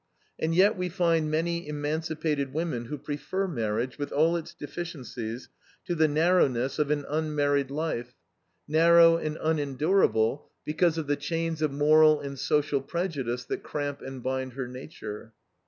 And yet we find many emancipated women who prefer marriage, with all its deficiencies, to the narrowness of an unmarried life; narrow and unendurable because of the chains of moral and social prejudice that cramp and bind her nature.